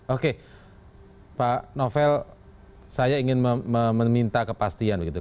oke pak novel saya ingin meminta kepastian begitu